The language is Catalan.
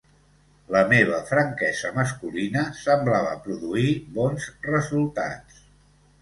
La meva franquesa masculina semblava produir bons resultats.